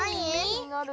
きになる！